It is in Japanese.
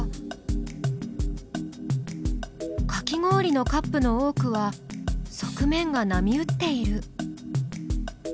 かき氷のカップの多くは側面が波打っている。